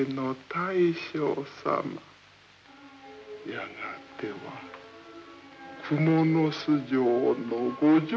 やがては蜘蛛巣城のご城主様。